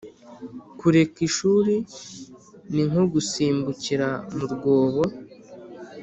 kureka ishuri ni nko gusimbukira mu rwobo